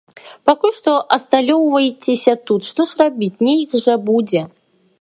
Пакуль што асталёўвайцеся тут, што ж рабіць, нейк жа будзе.